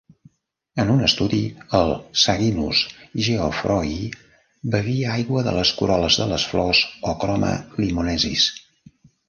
En un estudi, el "Saguinus geoffroyi" bevia aigua de les corol·les de les flors "Ochroma limonesis".